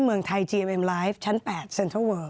ไม่ใช่